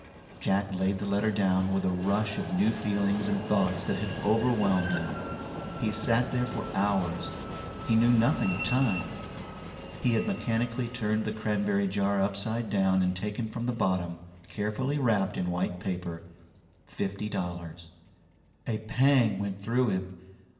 Jack laid the letter down with a rush of new feelings and thoughts that overwhelmed him. He sat there for hours; he knew nothing of time. He had mechanically turned the cranberry jar upside down and taken from the bottom, carefully wrapped in white paper, fifty dollars. A pang went through him.